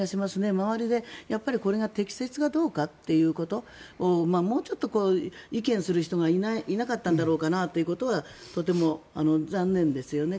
周りでやっぱりこれが適切かどうかということをもうちょっと意見する人がいなかったんだろうかなということはとても残念ですよね。